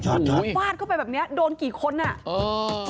ฟาดเข้าไปแบบเนี้ยโดนกี่คนอ่ะเออ